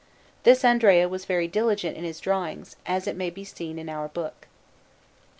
This Andrea was very diligent in his drawings, as it may be seen in our book.